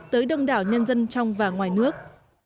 tới đông đảo nhân dân trong và ngoài nước